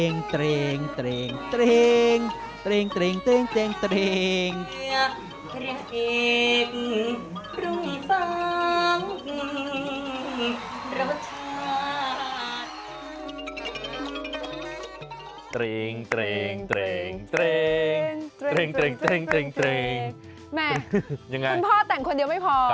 ยังไงคุณพ่อแต่งคนเดียวไม่พอ